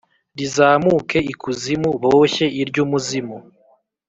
rizamuke ikuzimu boshye iry’umuzimu.